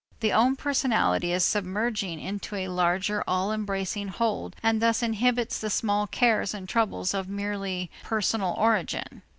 The own personality is submerging into a larger all embracing hold and thus inhibits the small cares and troubles of merely personal origin.